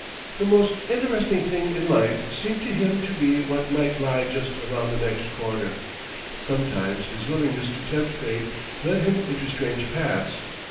The most interesting thing in life seemed to him to be what might lie just around the next corner. Sometimes his willingness to tempt fate led him into strange paths.